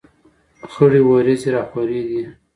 خړې ورېځې را خورې دي.